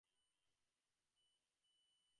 কখনও কখনও দূর-দূরের সংবাদসকলও আনিয়া দিত।